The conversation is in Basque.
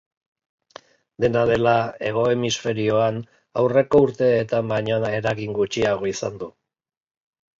Dena dela, hego hemisferioan aurreko urteetan baino eragin gutxiago izan du.